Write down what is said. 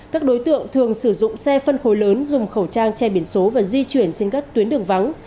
các đối tượng thường sử dụng xe phân khối lớn dùng khẩu trang che biển số và di chuyển trên các tuyến đường vắng